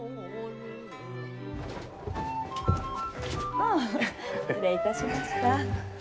ああ失礼いたしました。